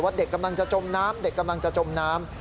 เด็กกำลังจะจมน้ำเด็กกำลังจะจมน้ำ